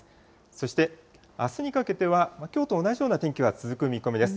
そしてあすにかけてはきょうと同じような天気が続く見込みです。